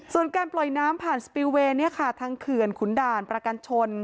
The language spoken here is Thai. ส่วนการปล่อยน้ำผ่านสปิลเวย์ทางเขื่อนขุนด่านประกันชน